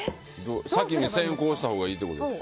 先行したほうがいいってことですか。